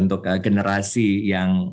untuk generasi yang